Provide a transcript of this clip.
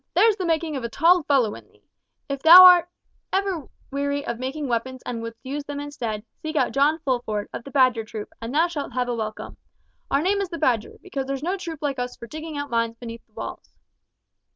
There's the making of a tall fellow in thee! If ever thou art weary of making weapons and wouldst use them instead, seek out John Fulford, of the Badger troop, and thou shalt have a welcome. Our name is the Badger, because there's no troop like us for digging out mines beneath the walls."